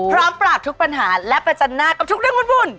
พร้อมปราบทุกปัญหาและประจำหน้ากับทุกเรื่องบุญ